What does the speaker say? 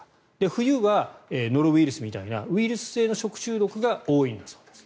冬はノロウイルスみたいなウイルス性の食中毒が多いみたいなんです。